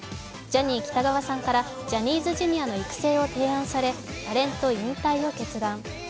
ジャニー喜多川さんからジャニーズＪｒ．の育成を提案されタレント引退を決断。